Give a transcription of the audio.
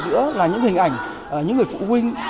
nữa là những hình ảnh những người phụ huynh